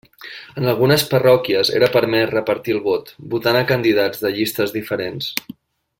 En algunes parròquies era permès repartir el vot, votant a candidats de llistes diferents.